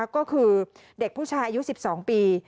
ก็คือเด็กผู้ชายอายุ๑๒ปี